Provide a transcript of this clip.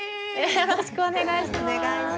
よろしくお願いします。